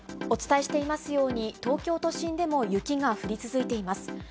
お伝えしていますように、東京都心でも雪が降り続いています。